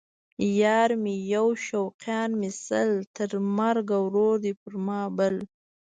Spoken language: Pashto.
یار مې یو شوقیان مې سل ـ تر مرګه ورور دی پر ما بل